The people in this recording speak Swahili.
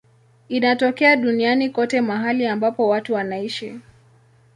Inatokea duniani kote mahali ambapo watu wanaishi.